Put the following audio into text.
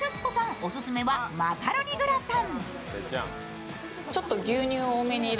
オススメはマカロニグラタン。